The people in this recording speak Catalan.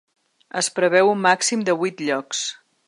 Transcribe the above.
Es preveu un màxim de vuit llocs.